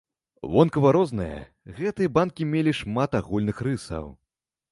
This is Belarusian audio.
Вонкава розныя, гэтыя банкі мелі шмат агульных рысаў.